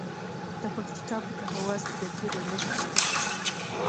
د پکتیکا په کټواز کې د تیلو نښې شته.